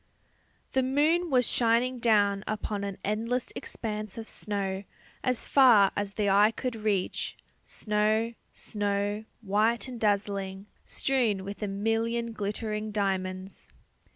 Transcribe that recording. The moon was shining down upon an endless expanse of snow as far as the eye could reach, snow, snow, white and dazzling, strewn with a million glittering diamonds.